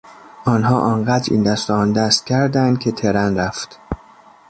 آنها آنقدر این دست و آن دست کردند که ترن رفت.